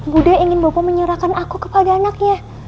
bude ingin bopo menyerahkan aku kepada anaknya